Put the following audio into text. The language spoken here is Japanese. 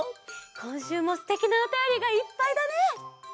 こんしゅうもすてきなおたよりがいっぱいだね！